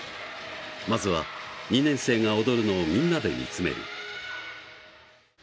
まずは２年生が踊るのをみんなで見つめる。